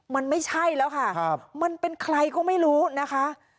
มันไม่ใช่แล้วค่ะมันเป็นใครก็ไม่รู้นะคะ